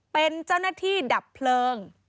เป็นเจ้าหน้าที่ดับเพลิง